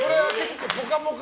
「ぽかぽか」